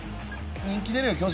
人気出るよ、巨人。